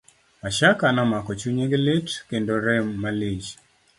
Mashaka nomako chunye gi lit kendo rem malich.